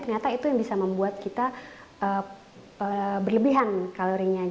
ternyata itu yang bisa membuat kita berlebihan kalorinya